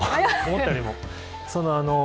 思ったよりも。